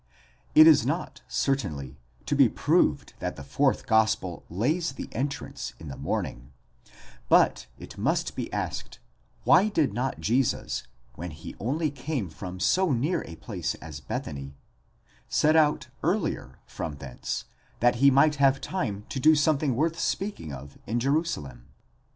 It is not, certainly, to be proved that the fourth gospel lays the entrance in the morning ; but it must be asked, why did not Jesus, when he only came from so near a place as Bethany, set out earlier from thence, that he might have time to do something worth speaking of in Jerusalem?